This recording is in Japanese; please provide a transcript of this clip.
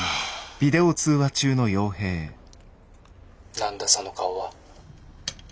「何だその顔は」。